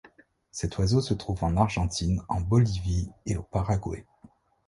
Cet oiseau se trouve en Argentine, en Bolivie et au Paraguay.